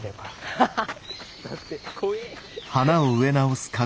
ハハハ。